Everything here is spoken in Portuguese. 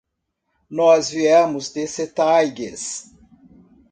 Nós viemos de Setaigües.